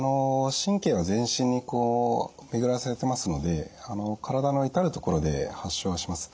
神経は全身に巡らされてますので体の至る所で発症します。